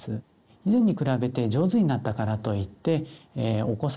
以前に比べて上手になったからといってお子さんがですね